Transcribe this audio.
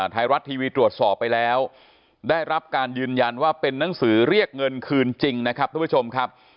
ไทยรัฐทีวีตรวจสอบไปแล้วได้รับการยืนยันว่าเป็นนังสือเรียกเงินคืนจริงนะครับทุกผู้ชมครับ